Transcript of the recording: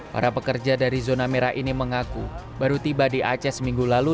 para pekerja dari zona merah ini mengaku baru tiba di aceh seminggu lalu